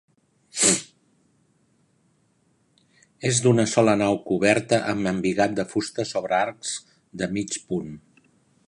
És d'una sola nau coberta amb embigat de fusta sobre arcs de mig punt.